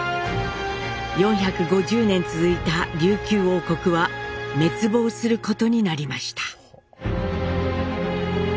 ４５０年続いた琉球王国は滅亡することになりました。